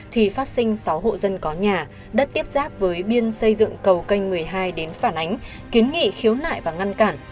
thì phát sinh sáu hộ dân có nhà đất tiếp giáp với biên xây dựng cầu canh một mươi hai đến phản ánh kiến nghị khiếu nại và ngăn cản